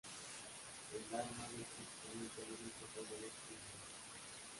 El Dharma no es precisamente lo mismo que el derecho o la ley.